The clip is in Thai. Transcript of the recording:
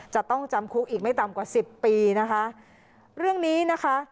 จะต้องจำคุกอีกไม่ต่ำกว่าสิบปีนะคะเรื่องนี้นะคะ